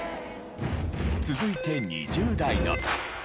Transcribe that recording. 続いて２０代の。